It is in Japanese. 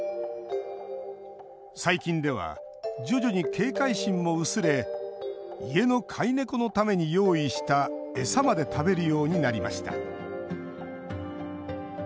最近では、徐々に警戒心も薄れ家の飼い猫のために用意した餌まで食べるようになりました。